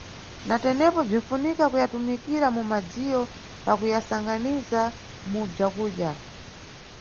Na tenepo bzinifunika kuyatumikira mu madziyo pa kuyasanganiza mu bzakudya.